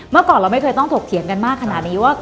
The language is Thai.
เมื่อก่อนเราไม่เคยต้องถกเถียงกันมากขนาดนี้ว่า